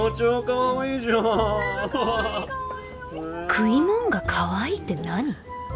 食いもんがかわいいって何？